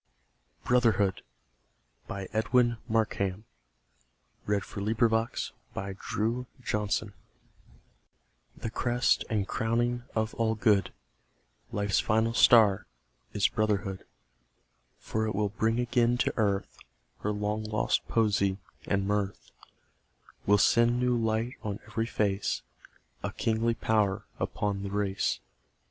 G H . I J . K L . M N . O P . Q R . S T . U V . W X . Y Z Brotherhood THE crest and crowning of all good, Life's final star, is brotherhood; For it will bring again to Earth Her long lost Poesy and Mirth; Will send new light on every face, A kingly power upon the race.